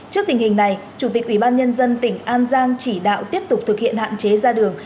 trước tình hình này chủ tịch ủy ban nhân dân tỉnh an giang chỉ đạo tiếp tục thực hiện hạn chế ra đường